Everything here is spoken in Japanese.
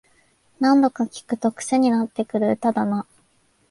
何度か聴くとクセになってくる歌だな